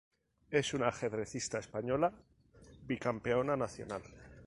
Es una ajedrecista española, bicampeona nacional.